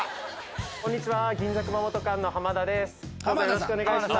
こんにちは銀座熊本館の田です